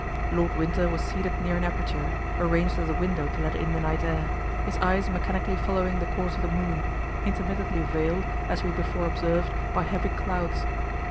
Lord Winter was seated near an aperture, arranged as a window to let in the night air, his eyes mechanically following the course of the moon, intermittently veiled, as we before observed, by heavy clouds.